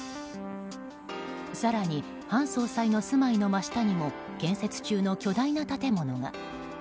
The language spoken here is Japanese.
更に、韓総裁の住まいの真下にも建設中の巨大な建物が。